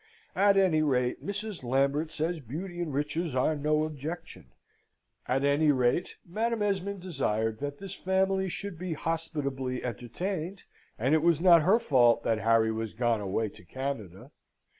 At any rate, Mrs. Lambert says beauty and riches are no objection; at any rate, Madam Esmond desired that this family should be hospitably entertained, and it was not her fault that Harry was gone away to Canada.